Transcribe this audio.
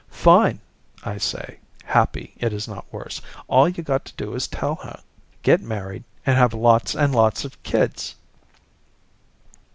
"Fine," I say, happy it is not worse. "All you got to do is tell her, get married and have lots and lots of kids."